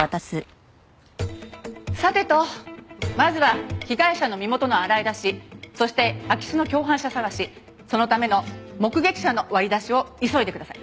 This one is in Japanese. さてとまずは被害者の身元の洗い出しそして空き巣の共犯者捜しそのための目撃者の割り出しを急いでください。